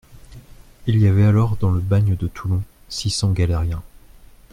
Il y avait alors dans le bagne de Toulon six cents galériens.